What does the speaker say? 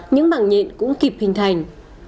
những bảng nhện cũng kịp hình thành